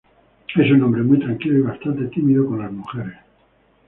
Es un hombre muy tranquilo y bastante tímido con las mujeres.